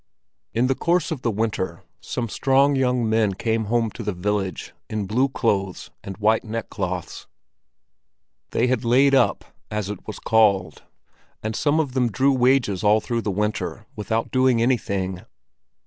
In the course of the winter, some strong young men came home to the village in blue clothes and white neck cloths. They had laid up, as it was called, and some of them drew wages all through the winter without doing anything.